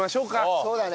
そうだね。